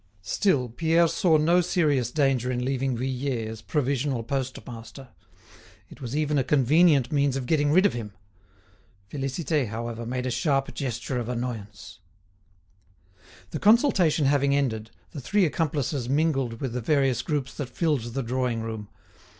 Still, Pierre saw no serious danger in leaving Vuillet as provisional postmaster; it was even a convenient means of getting rid of him. Félicité, however, made a sharp gesture of annoyance. The consultation having ended, the three accomplices mingled with the various groups that filled the drawing room.